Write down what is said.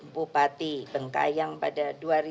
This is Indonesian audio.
bupati bengkayang pada